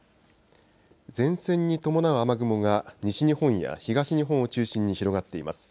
前線に伴う雨雲が西日本や東日本を中心に広がっています。